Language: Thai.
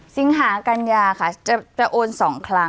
สิงหากัญญาค่ะจะโอน๒ครั้ง